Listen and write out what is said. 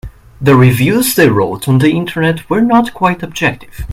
The reviews they wrote on the Internet were not quite objective.